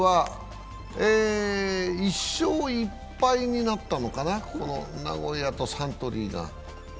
１勝１敗になったのかな、名古屋とサントリーが。